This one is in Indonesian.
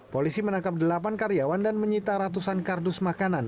polisi menangkap delapan karyawan dan menyita ratusan kardus makanan